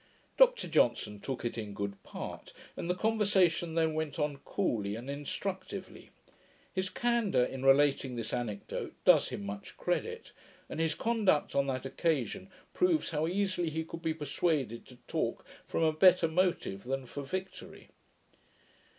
Dr Johnson took it in good part, and the conversation then went on coolly and instructively. His candour in relating this anecdote does him much credit, and his conduct on that occasion proves how easily he could be persuaded to talk from a better motive than 'for victory'.